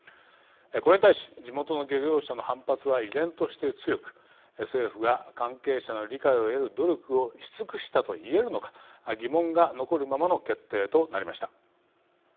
これに対し地元の漁業者の反発は依然として強く政府が関係者の理解を得る努力をし尽くしたと言えるのか疑問が残るままの決定となりました。